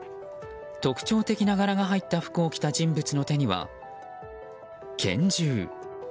特徴的な柄が入った服を着た人物の手には、拳銃。